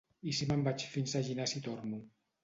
I si me'n vaig fins a Llinars i torno?